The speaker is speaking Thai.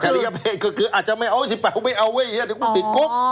จริยเพศก็คืออาจจะไม่เอา๑๘ไม่เอาเห้ยเดี๋ยวผมติดกรุ๊ก